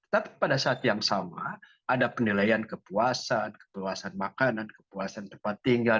tapi pada saat yang sama ada penilaian kepuasan kepuasan makanan kepuasan tempat tinggal